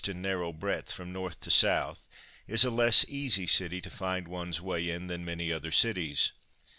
and narrow breadth from N. to S., is a less easy city to find one's way in than many other cities.